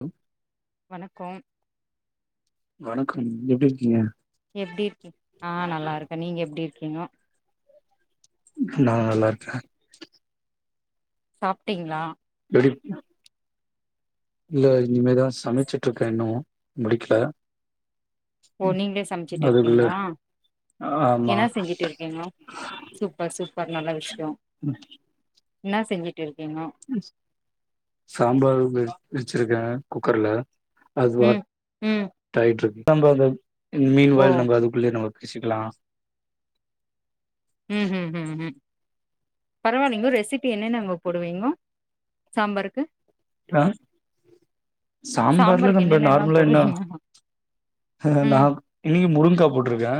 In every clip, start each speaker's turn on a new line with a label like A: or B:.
A: Hello
B: வணக்கோம்
A: வணக்க எப்பிடி இருக்கீங்க
B: எப்பிடி இருக்கி ஆ நல்லா இருக்கே நீங்க எப்பிடி இ கீங்கோ
A: நா நல்லார்கே
B: சாப்ட்டீங்களா
A: எப்டி இல்ல இனிமேதா சமைச்சிட்ருக்கே இன்னு முடிக்கில
B: ஓ நீங்களே சமைச்சிட்டு இருக்கீங்களா
A: ஆமா
B: என்ன செஞ்சிட்டு இருக்கீங்கோ சூப்பர் சூப் ப்பர் நல்ல விஷ்யோ
A: ம்
B: ன்னா செஞ்சி
A: ம் சாம்பார் வெ வெச்சிருக்கே குக்கர்ல அது
B: ம்
A: வாட்
B: ம்
A: டாயிட்ருக் [unintelligible] மீன்
B: ஓ
A: வாயில் நம்ம அதுக்குள்ளே நமக் ஸ்சிக்கலா
B: ம் ம்ம் ம் பரவாலிங்கோ ரெசிபி என்னென்னங்கோ போடுவீங்கோ சாம்பாருக்கு
A: ட்ராங் சாம்பார்ல
B: சாம்பாருக்கு
A: நம்ம
B: என்னென்னல்லா
A: நார்மலா என்னா
B: போடுவீங்க
A: நா
B: ம்
A: இன்னிகு முருங்கா போட் ட்ருக்க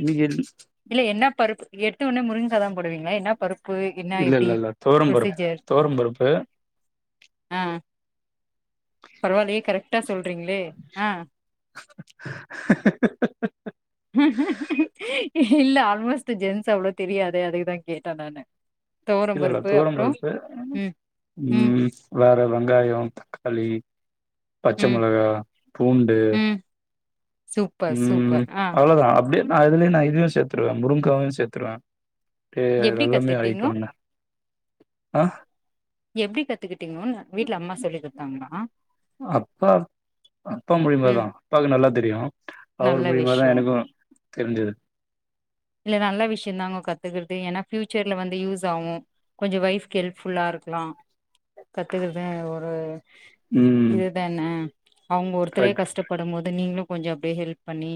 A: இன்னிக்கு
B: இல்ல என்னா பருப்பு எடுத்த உன்னே முருங்காதா போடுவீங்களா என்னா பருப்
A: இல்ல இல்ல இல்ல தோரம் பருப்- தோரம் பருப்பு
B: பரவால்லியே கரெக்ட்டா சொல்றீங்ளே ஆ ஹஹ்ஹ ஹ இல்ல ஆல்மோஸ்ட் ஜென்ஸ் அவ்ளொ தெரியாதே அதுக்குதா கேட்ட நானு துவரம்
A: இல்லல்ல
B: பருப்பு
A: துவரம்
B: அப்புறம்
A: பருப்பு
B: ம்,
A: ம் வேற வெங்காயொ தக்காளி பச்ச
B: ம்,
A: மெளகா பூண்டு
B: ம். சூப்பர்,
A: ம்
B: சூப்பர். ஆ
A: அவ்ளதா அப்டே நா இதுலயே நா இதயு சேத்துடுவே முருங்காவயு சேத்துருவே ட்டு
B: எப்படி
A: வெள்ளமே
B: கத்துட்டீங்கோ?
A: ஆகிட்டோன்ன ஆ
B: எப்டி கத்துகிட்
A: அப்பா அப்பா
B: ம்.
A: மூல்யமாதா அப்பாக்கு நல்லா தெரியு
B: நல்ல
A: அவர் மூல்யமாதா
B: விஷயம்.
A: எனக்கு தெரிஞ்சது
B: இல்ல நல்ல விஷ்யந்தாங்க கத்துக்கற்து ஏனா ஃபியூச்செர்ல வந்து யூஸ் ஆவு கொஞ்ச வொய்ஃப்க்கு ஹெல்ப்ஃபுல்லா இருக்லா கத்துக்கற்து ஒரு
A: ம்
B: இதுதானெ அவுங்க ஒருத்தரே
A: கரெக்ட்
B: கஷ்டபடும்மோ து நீங்ளு கொஞ்சொ அப்டியே ஹெல்ப் பண்ணி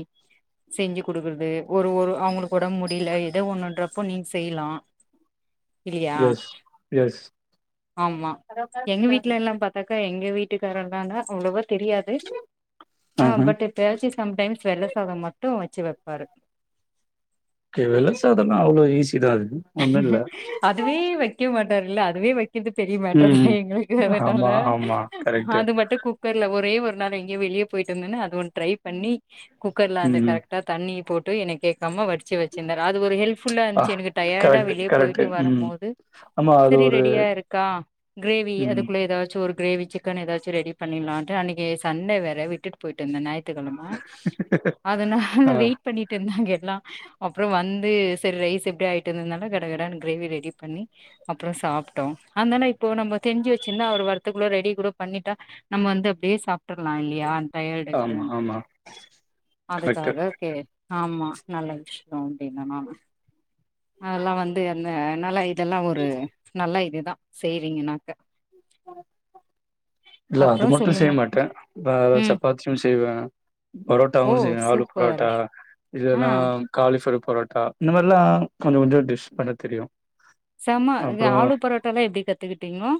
B: செஞ்சு குடுக்கற்து ஒரு ஒரு அவுங்ளுக் ஒடம் முடில எதோ ஒன்னுன்றப்ப நீங் செய்லா இல்லியா
A: எஸ் எஸ்
B: ஆமா எங்க வீட்லலா பாத்தாக்கா எங்க வீட்டுக்காரர்லால அவ்ளவா தெரியாது ஆ
A: ஆஹ
B: பட் எப்பயாச்சு சம் டைம்ஸ் வெள்ள சாத மட்டு வ ச்சு வப்பாரு
A: ஏ வெள்ள சாதொன்னா அவ்ளோ ஈ
B: அதுவே வக்க மாட் டாருல்ல அதுவே வ க்கிற்து பெரிய மேட்டர்
A: ம்
B: தா எங்களுக்கு
A: ம்
B: அதனால
A: ஆமா ஆமா கரெக்ட்
B: அது மட்டு குக்கர்ல ஒ ரே ஒரு நாள் எங்யோ வெளிய போயிட்டு இருந்தென்னா அது ஒன்னு ட்ரை பண்ணி குக்கர்ல அந்த
A: ம்
B: கரெக்டா தண்ணி போட் ட்டு எனை கேக்காம வடு ச்சு வச்சிந்தார் அது ஒரு ஹெல்ப்ஃபுல்லா
A: ஆ
B: இருன்ச்சு எனக்கு டயர்டா
A: கரெக்ட்
B: வெளிய
A: கரெக்ட்
B: போயிட்டு வரும்
A: ம்
B: போது
A: ஆமா அது
B: சரி
A: ஒரு
B: ரெடியா இருக்கா கிரேவி
A: ம்
B: அதுக்குள்ள எதாச்சு ஒரு கிரேவி சிக்கன் எதாச்சு ரெடி பண்ணிர்லான்ட்டு அன்னக்கி சண்டே வேற விட்டுட்டு போயிட்டுந்தே நை ட்டுக்கிழமை அதனால
A: ஆ
B: வெயிட் பண்ணிட்டு இருந்தாங்க ல்லா அப்புறோ வந்து சரி ரைஸ் எப்பிடி ஆயி ட்டுன்னுனால கடகடனு கிரேவி ரெடி பண்ணி அப்புறோ சாப்டோ அதனால இப்போ நம்ம தெரிஞ்சி வச்சிருந்தா அவர் வரத்துக்குள்ள ரெடி கூட பண்ணிட்டா நம்ம வந்து அப்பிடியே சாப்டரலா இல்லையா
A: ஆமா
B: டயடுத்தன்
A: ஆமா கரெக்ட்
B: அதுக்காக கே ஆமா நல்ல விஷயோ அப்பிடின்ன நானு அதெல்லா வந்து அந்த நல்லா இதெல்லா ஒரு நல்ல இதுதா சேரிங்கனாக்க
A: இல்ல அது
B: அப்புறோ
A: மட்டு செய்ய
B: சொல்லுங்க
A: மாட்டே வ
B: ம்
A: சப்பாத்தியு செய்வே
B: ஓ
A: பரோட்டாவு செய்வே ஆலு
B: சூப்பர்
A: பரோட்டா
B: ஆ
A: இல்லனா காலிஃபிர பரோட்டா இந்த மாரிலா கொஞ்சோ கொஞ்சோ டிஷ் பண்ண தெரியு
B: சாம ஆலு பரோட்டல்லா எப்பிடி கத்துக்கிட்டீங்கோ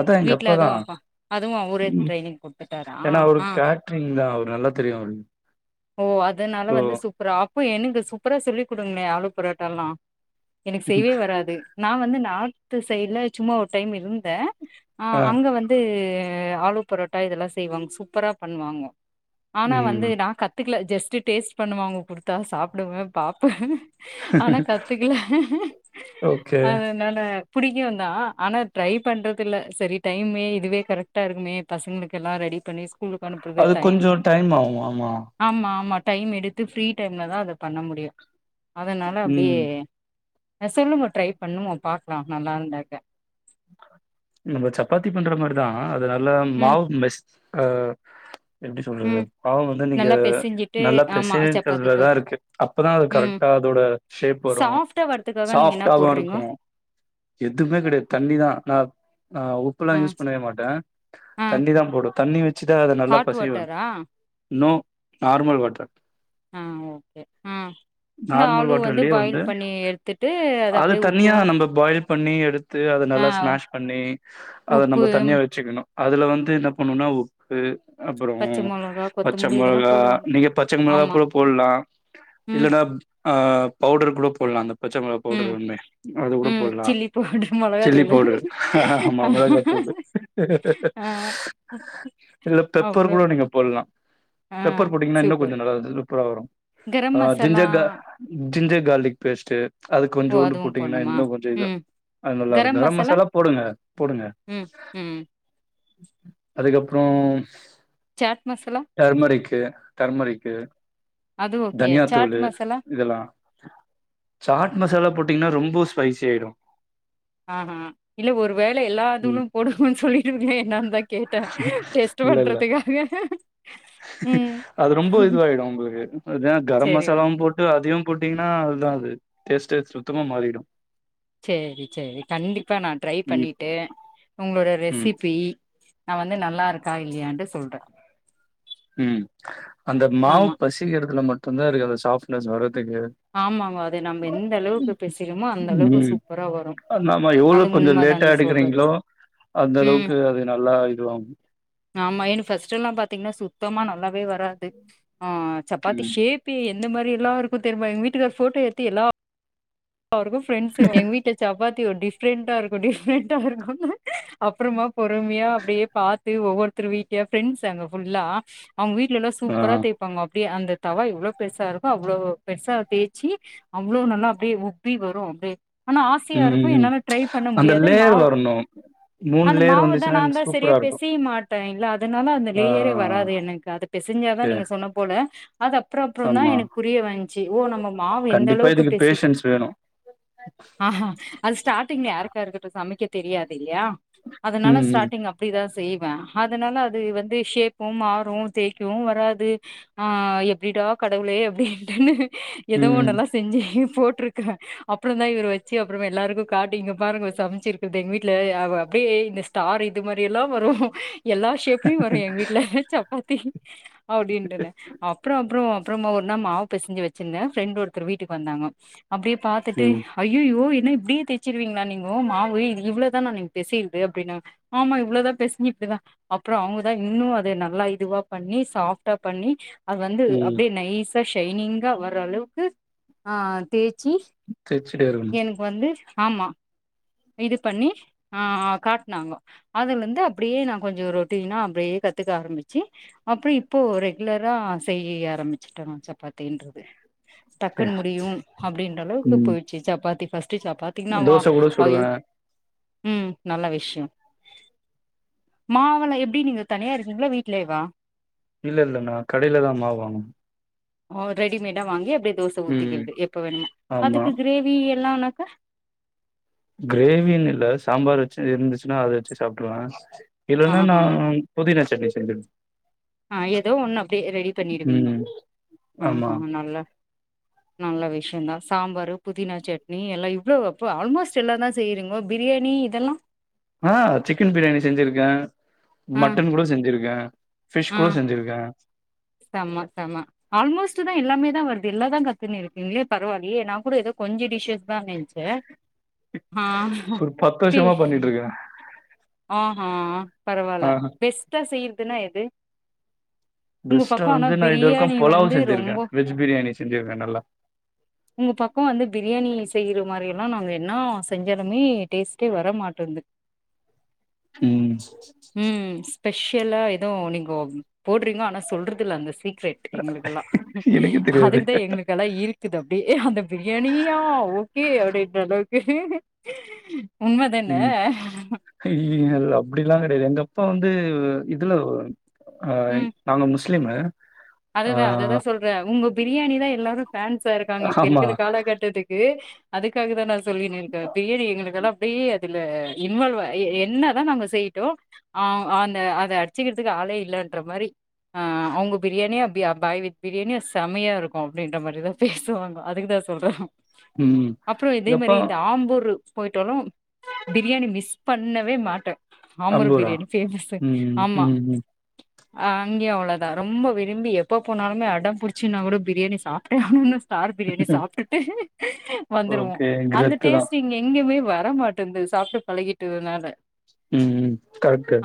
A: அதா எங்க
B: வீட்ல
A: அப்பா தா
B: அதுவு அதுவு அவரே ட்ரைனிங் குடுத்துட்டாரா
A: ஏன்னா அவரு
B: ஆ
A: கேட்டரிங் தா அவரு நல்லா தெரியு
B: ஓ அதனால வந்து சூப்பராப் ப்போ எனக்கு சூப்பரா சொல்லி் குடுங்களே ஆளு பரோட்டலா செய்வே வராது நா வந்து நா த்து சைடுல சும்மா ஒரு டைம் இருந்தே ஆ அங்க வந்து ஆளு பரோட்டா இதெல்லா செய்வாங்க சூப்பரா பண்ணுவாங்க ஆனா வந்து
A: ம்.
B: நா கத்துக்கல ஜஸ் ட்டு டேஸ்ட் பண்ணுவாங்க குடுத்தா சாப்டுவே பாப்பே ஆனா கத்துக்கல
A: ஓகே
B: புடிக்குதா ஆனா ட்ரை பண்றது இல்ல சரி டைமே இதுவே கரெக்டா இருக்குமே பசங்களுக்குல்லா ரெடி பண்ணி ஸ்கூலுக்கு அனுப்புறது
A: அது கொஞ்சோ டைம் ஆவு ஆமா
B: ஆமா ஆமா டைம் எடுத்து ஃப்ரீ டைம்ல தா அத பண்ண முடியு அதனால அப்பிடியே
A: ம்.
B: எசலு மோ ட்ரை பண்ணுவோ பாக்கலா நல்லா இருந்தாக்க
A: நம்ம சப்பாத்தி பண்ற மாரிதா அதனல்ல
B: ம்
A: மாவு மெஸ் ஆ எப்டி சொல்றது
B: ம்
A: பாவோ வந்து நீங்க
B: நல்லா பெசஞ்சிட்டு
A: நல்லா
B: ஆமா
A: பெசைக்கிறதுல
B: சப்பாத்திக்கு
A: தா இருக்கு அப்போதா அது
B: ம்
A: கரெக்டா அதோட ஷேப் வரு
B: சாஃப்டா வரதுக்காக நீங்க என்ன
A: சாஃப்ட்டாவு
B: போட்றீங்கோ
A: இருக்கு எதுமே கெடையாது டிதா ந ஆ உப்புலா
B: ஆ
A: யூஸ் பண்ணவே மாட்டே
B: ஆ
A: தண்ணி தா போடு தண்ணி வ வச்சுதா அத நல்லா
B: ஹாட்
A: பசைவே
B: வாட்டரா
A: இன்னோ நார்மல் வாட்டர்
B: ஆ ஓகே ஆ இந்த
A: நார்மல்
B: ஆளு வந்து
A: வாட்டர்லயே
B: பாயில் பண்ணி எடுத்துட்டு அது
A: அத
B: அப்டியே உப்பு
A: தனியா நம்ம பாயில் பண்ணி எடுத்து அத
B: ஆ
A: நல்லா ஸ்மாஷ் பண்ணி அத
B: உப்பு
A: நம்ம தண்ணியா வச்சுக்கணு அதுல வந்து என்ன பண்ணும்னா உப்பு அப்பறோ
B: பச்ச மொளகா
A: பச்ச
B: கொத்தமல்லி இதெல்லா
A: மொளகா
B: போடுவாங்க
A: நீங்க பச்ச மிளகா
B: ஆமா
A: கூட போடலா
B: ம்
A: இல்லன்னா ஆ பவுடர் கூட போடலா அந்த பச்ச மிளகா பவுடர்
B: ம்
A: ஒன்னு அது கூட
B: ம்
A: போடலா
B: சில்லி பவுடர்
A: சில்லி
B: மொளகாத்தூளு
A: பவுடரு ஆமா மிளகாய்த்தூள்
B: ஆ
A: இல்ல பெப்பர்
B: அப்றோ
A: கூட நீங்க போடலா
B: ஆ
A: பெப்பர் போட்டீங்கன்னா இன்னு
B: சூப்பர்
A: கொஞ்சோ நல்லா சூப்பரா வரு
B: கரம்
A: ஆ
B: masala
A: ginger ginger garlic paste அது
B: ஓ
A: கொஞ்சோண்டு
B: அதுவு
A: போட்டீங்கன்னா
B: போட்ணுமா
A: இன்னு கொஞ்ச இதா
B: ம்
A: அ நல்லா இரு கரம் மசாலா போடுங்க போடுங்க
B: ம் ம்
A: அதுக்கப்றோ
B: சாட் மசாலா
A: டர்மரிக்கு டர்மரிக்
B: அது ஓகே
A: தனியா
B: சாட்
A: தூள்
B: மசாலா
A: இதெல்லா சாட் மசாலா போட்டீங்கன்னா ரொம்ப ஸ்பைசி ஆயிடு
B: ஆஹா இல்ல ஒரு வேல எல்லா இதூளு
A: ம்
B: போடணுன்னு சொல்லிட்டுவிங்களே என்னன்னு தா கேட்டே டெஸ்ட்
A: இல்ல இல்ல
B: பண்றதுக்காக உ
A: அது ரொம்ப இதுவாயிடு உங்களுக்கு ஏன்னா கரம்
B: சரி
A: மசாலாவு
B: ஓகே
A: போட்டு அதையு போட்டீங்கன்னா அதுதா அது டேஸ்ட்ஏ சுத்தமா மாறிடு
B: சரி சரி கண்டிப்பா நா ட்ரை
A: ம்
B: பண்ணிட்டு உங்களோட
A: ம்
B: ரெசிபி நான் வந்து நல்லா நா நா நா வந்து நல்லா இருக்கா இல்லையான்னுட்டு சொல்றே
A: உ அந்த மாவு
B: ஆமா
A: பெசயற்துல மட்டு தந்தா இருக்கு அந்த சாஃப்ட்னஸ் வர
B: ஆமாங்க அது நம்ம எந்த அளவுக்கு பேசிறோமோ அந்த அளவுக்கு
A: ம்
B: சூப்பரா வரு
A: நாம எவ்ளோ
B: அது
A: கொஞ்சோ
B: உண்மதா
A: லேட்டா
B: நீங்க சொல்றது
A: எடுக்கிறீங்களோ அந்த
B: ம்
A: அளவுக்கு அது நல்லா இதுவாகு
B: ஆமாமையேனு பர்ஸ்ட்ட்ல்லா பாத்தீங்கன்னா சு த்தமா நல்லாவே வராது ஆ சப்பாத்தி
A: ம்
B: ஷேப்பே இந்த மாரில்லா இருக்குத் ட்டே இருப்பே எங்க வீட்டுக்கார் ஃபோட்டோ ஏத்தி எல்லா அவக்கு ஃப்ரெண்ட்ஸ் எங்க வீட்ட சப்பாத் த்தி ஒ டிஃப்ரெண்டா இருக்கு டிஃப்ரொண்ட்டா இருக்கு அப்புறமா பொறுமையா அப்பிடியே பாத்து ஒவ்வொரு த்துரு வீட்டியா ப்ரெண்ட்ஸ் அங்க ஃபுல்லா அவங்க வீட்டுல எல்லா
A: ஆ
B: சூப்பரா தேபாங்க ப்பிடி அந்த தவா இவ்வளோ பெருசா இருக்கு அவ்ளோ பெருசா தேய்ச்சி அவ்ளோ நல்லா அப்பிடியே ஒ ப்பிடி வரு அப்டே ஆனா ஆசயா
A: ம் ம்
B: இருக்கு
A: ம்
B: என்னால டிரை பண்ண
A: அந்த
B: முடியாது
A: லேயர்
B: மாவு
A: வரணு மூணு
B: அந்த
A: லேயர்
B: மாவதா
A: வந்துச்சுன்னா
B: நா தா சரியா
A: சூப்பரா இருக்கு
B: பெசயமாட் டைன்ல அது ட்டுனால அந்த
A: ஆ
B: லேயரே வராது எனக்கு அத பெசஞ்சாதா
A: ஓகே
B: நீங்க சொன்ன போல அது அப்புற அப்புறோ தா
A: ஆமா
B: எனக்கு புரிய வன்ச்சி ஓ நம்ம மாவு எந்த
A: கண்டிப்பா
B: அளவுக்கு
A: இதுக்கு
B: பேசு
A: பேஷன்ஸ் வேணு
B: ஆ அது ஸ்டார்ட்டிங்ல யாருக்கா இருக்கட்டு சமைக்க தெரியாது இல்லையா அதனால
A: ம் ம்
B: ஸ்டார்ட்டிங் அப்பிடிதா செய்வே அதனால அது வந்து ஷேப்பும் மாறுதேய்க்கு வராது ஆ எப்பிடிடா கடவுளே எப்பிடின்ட்டுன்னு எதோ
A: ம்
B: ஒன்ல்லா செஞ்சிப் போட்டுருக் க்க அப்புறோ தா இவர் வச்சி அப்புறமா எல்லாருக்கு காட்டு எங்கப்பாரங்க சமைச்சிருக்குது எங்க வீட்டுல அவ அப்பிடியே இந்த ஸ்டார் இது மாரி எல்லா வரு எல்லா ஷேப்லயு வரு எங்க வீட்ல சப்பாத்தி அப்பிடின்ட்டுனே அப்புறோ அப்புறோ அப்புறமா ஒரு நாள் மாவு பேசஞ்சி வச்சிருந்த ப்ரெண்ட் ஒருத்தர் வீட்டுக்கு வந்தாங்கோ அப்பிடியே பாத்துட்டு
A: ம்
B: ஐய் அய்யோ இன்ன இப்பிடியே தைச்சிருவீங்களா நீங்கோ மாவு இவ்வளதானா நீங் பெசிருது அப்பிடின்னாங் ஆமா இவ்வளதா பேசுங்கு இப்பிடிதா அப்புறோ அவங்கதா இன்னு அத நல்லா இதுவா பண்ணி சாப்ட்டா பண்ணி அது வந்து
A: ம்
B: அப்பிடியே நைஸ் த ஷைனிங்கா வர அளவுக்கு ஆ தேச் சி
A: தேச்சுட்டே இருக்கணு
B: எனக்கு வந்து ஆமா இது பண்ணி ஆ காட்னாங்கொ அதுலந்து அப்டியே நா கொஞ்சொ ரொட்டீனா அப்டியே கத்துக்க ஆரம்பிச்சு அப்ற இப்போ ரெகுலரா செய்ய ஆரம்பிச்சுட்டே நா சப்பாத்தின்றது டக்குன் முடியு அப்டின்ற அளவுக்கு
A: ம்
B: போ சப்பாத்தி ஃபஸ் ட்டு சப்பாத்தீங்னா வா
A: தோச கூட
B: அ
A: சுடுவே
B: யோ ம் நல்ல விஷ்யொ மாவுலா எப்டி நீங்க தனியா இருக்கீங்ளா வீட்லயேவா
A: இல்லெல்ல நா கடைல தா மாவு வாங்கனு
B: ஓ ரெடிமேடா வாங்கி அப்டி தோச
A: ம்
B: ஊத்திக்கிற்து எப்ப வேணுமோ
A: ஆமா
B: அதுக்கு கிரேவி எ ல்லா உனக்கு
A: கிரேவின் இல்ல சாம்பார் வச்சது இருந்துச்சுனா அத வச்சு சாப்ட்ருவே இல்லனா நா
B: ஆஹா
A: புதினா சட்னி செஞ்சு
B: ஆ எதோ ஒன்னு அப்டே ரெடி பண்ணிடுவீங்கொ
A: ம் ஆமா
B: அஹ நல்ல நல்ல விஷ்யொந்தா சாம்பாரு புதினா சட்னி எல்லா இவ்ளோ அப்ப ஆல்மோஸ்ட் எல்லாந்தா செய்றீங்கொ பிரியாணி இதெல்லா
A: ஆ சிக்கன் பிரியாணி செஞ்சிருக்கே
B: ஆ
A: மட்டன் கூட செஞ்சிருக்கே ஃபிஷ்
B: ஆ
A: கூட செஞ்சிருக்கே
B: செம செம ஆல்மோஸ்ட்டு தா எல்லாமே வருது எல்லா தா கத்துன்னு இருக்கீங்களே பரவால்லயே நா கூட எதோ கொஞ்ச டிஷஸ் ராங்காயிருச்சு ஆஹ
A: ஒரு பத்து
B: சே
A: வருஷமா பண்ணிட்ருக்கே
B: அஹா அ
A: ஆ
B: பரவால்ல பெஸ்ட்டா செய் றதுனா எது? உங்க
A: பெஸ்ட்டா
B: பக்கொ ஆனா
A: வந்து நா இது வரைக்கு
B: பிரியாணி
A: பொலாவ்
B: வந்து
A: செஞ்சிருக்கே
B: ரொம்ப
A: வெஜ் பிரியாணி செஞ்சிருக்கே நல்லா
B: உங்க பக்கொ வந்து பிரியாணி செய்ற இந்த மாரியெல்லா நாங்க என்னா செஞ்சாலுமே டேஸ்ட்டே வர மாட்டென்து
A: ம்
B: ஸ்பெஷலா எதுவு நீங்கொ போட்றீங்கோ ஆனா சொல்றதில்ல அந்த சீக்ரெட் எங்களுக்குல்லா
A: எனக்கே தெரியாது
B: அதுக்குதா எங்களுக்கெல்லா இருக்குது அப்டே அந்த பிரியாணியா ஓகே அப்டின்ற அளவுக் [inaudible] உண்ம தான
A: ஐய்யய்யல் அது அப்டிலா கெடையாது எங்க அப்பா வந்து இதுல ஆ
B: ம்
A: நாங்க முஸ் முஸ்லீம்மு
B: அதுதான் அதுதான் சொல்றேன் உங்க பிரியாணி தான் எல்லாரும் பேன்ஸா இருக்காங்க இப்ப
A: ஆமா.
B: இருக்குற காலகட்டத்துக்கு அதுக்காக தா நான் சொல்லினு இருக்கே பிரியாணி எங்களுக்கெல்லாம் அப்படியே அதுல இன்வால்வாயி எ என்னதா நாங்க செய்யிட்டோ ஆ அந்த அத அடிச்சிக்கிறதுக்கு ஆளே இல்லன்ற மாரி ஆ அவுங்க பிரியாணியா அப்டியா பாய் வீட் பிரியாணிய செமையா இருக்கும் அப்டின்ற மாரிதான் பேசுவாங்கோ அதுக்குதான் சொல்ற
A: ம்.
B: அப்புறம் இதே மாரி
A: இதப்பா
B: இந்த ஆம்பூர் போயிட்டாலும் பிரியாணி மிஸ் பண்ணவே மாட்டே ஆம்பூர்
A: அம்பூரா?
B: பிரியாணி பேமஸ்சு
A: ம்,
B: ஆமா
A: ம், ம்.
B: ஆ அங்கயு அவ்ளோதா ரொம்ப விரும்பி எப்போ போனாலுமே அடம் புடிச்சினா கூட பிரியாணி சாப்ட்டே ஆவுனுனு ஸ்டார் பிரியாணி சாப்ட்டுட்டு வந்துருவோம்
A: ஓகே.
B: அந்த
A: கிரத்து தான்.
B: டேஸ்ட்டு இங்க எங்கயுமே வ ர மாட்டேந்து சாப்ட்டு பழகிட்டதுனால
A: ம் ம் கரெட்டு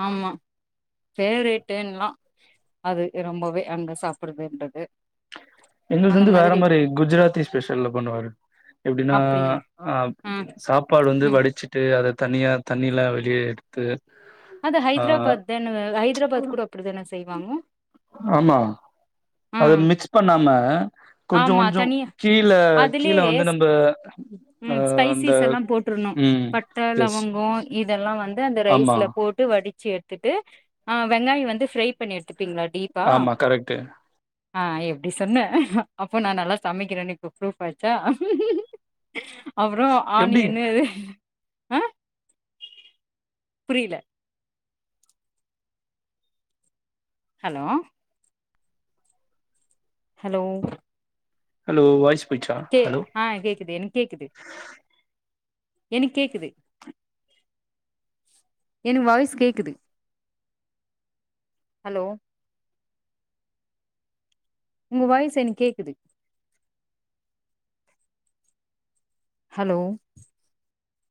B: ஃபேவரேட்டு எனக்குலா அது ரொம்பவே அங்க சாப்பறதுன்றது
A: எங்கள்து வந்து வேற மாரி குஜராத்தி ஸ்பெஷல்ல பண்ணுவாரு எப்டின்னா
B: அப்டியா
A: ஆ சாப்பாடு வந்து
B: ம்
A: வடிச்சிட்டு அத தனியா தண்ணியிலா வெளிய எடுத்து
B: அது
A: ஆ
B: ஹைதராபாத் தானே ஹைதராபாத் கூட அப்டிதான செய்வாங்க ஆ
A: அது மிக்ஸ் பண்ணாம கொஞ்சம்
B: ஆமா
A: கொஞ்சம்
B: தனியா
A: கீழ
B: அதிலே
A: கீழ வந்து நம்ப அ
B: ம்
A: அந்த
B: ஸ்பைசிஸ் எல்லாம் போட்டுருணும்
A: ம்.
B: பட்ட
A: எஸ்.
B: லவங்கம் இதெல்லாம் வந்து அந்த
A: ஆமா,
B: ரைஸ்ல போட்டு வடி ச்சி எடுத்துட்டு ஆ வெங்காயம் வந்து ஃபிரை பண்ணி எடுத்து
A: ஆமா கரெட்டு
B: ஆ எப்டி சொன்னே அப்போ நான் நல்லா சமைக்கிறன்னு இப்போ புரூப் ஆயிருச்சா அப்புறோ
A: எப்டி
B: ஆணியனு புரியில ஹலோ ஹலோ
A: ஹலோ வாய்ஸ் போயிடுச்சா?
B: கே
A: ஹலோ?
B: ஆ கேக்குது எனக்கு கேக்குது எனக்கு கேக்குது என் வாய்ஸ் கேக்குது ஹலோ உங்க வாய்ஸ் எனக்கு கேக்குது ஹலோ